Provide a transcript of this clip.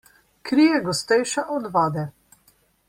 Kri je gostejša od vode.